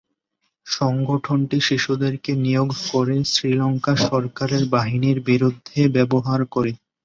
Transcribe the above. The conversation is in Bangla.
সংগঠনটি শিশুদেরকে নিয়োগ করে শ্রীলঙ্কা সরকারের বাহিনীর বিরুদ্ধে ব্যবহার করে।